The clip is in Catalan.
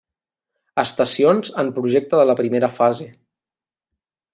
Estacions en projecte de la primera fase.